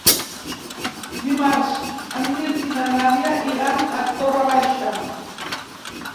Dimarts en Mirt i na Nàdia iran a Torre Baixa.